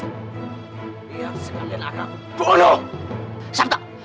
aku akan bunuh kalian semua